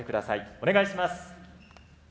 お願いします。